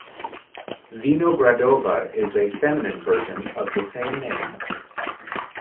Vinogradova is a feminine version of the same name.